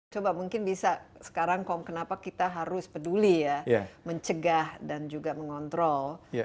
coba mungkin bisa sekarang kom kenapa kita harus peduli ya mencegah dan juga mengontrol